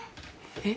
えっ？